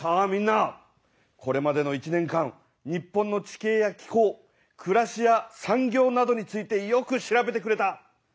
みんなこれまでの１年間日本の地形や気候くらしや産業などについてよく調べてくれた。